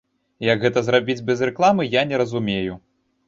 Як гэта зрабіць без рэкламы, я не разумею.